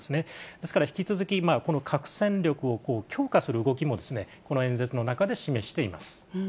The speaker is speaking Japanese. ですから引き続き、この核戦力を強化する動きも、この演説の中で示しています。